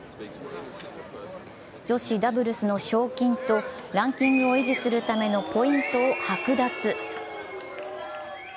女子ダブルスの賞金とランキングを維持するためのポイントを剥奪。